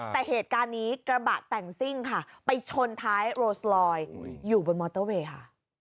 แต่เหตุการณ์นี้กระบะแต่งซิ่งค่ะไปชนท้ายโรสลอยอยู่บนมอเตอร์เวย์ค่ะ